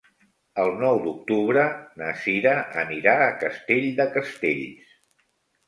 El nou d'octubre na Cira anirà a Castell de Castells.